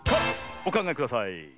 おかんがえください。